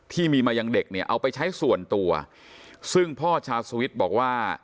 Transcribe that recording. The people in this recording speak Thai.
ที่มีมายังเด็กเนี่ยเอาไปใช้ส่วนตัวซึ่งพ่อชาวสวิทย์บอกว่า